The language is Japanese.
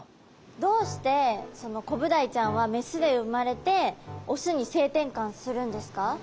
どうしてそのコブダイちゃんはメスで生まれてオスに性転換するんですか？